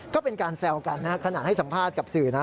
ก็เป็นการแซวกันนะขนาดให้สัมภาษณ์กับสื่อนะ